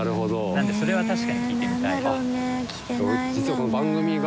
なのでそれは確かに聞いてみたい。